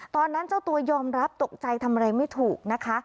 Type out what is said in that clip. เจ้าตัวยอมรับตกใจทำอะไรไม่ถูกนะคะ